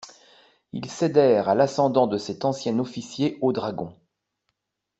Ils cédèrent à l'ascendant de cet ancien officier aux dragons.